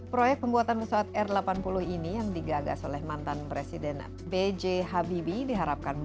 proyek pembuatan pesawat r delapan puluh ini yang digagas oleh mantan presiden b j habibie diharapkan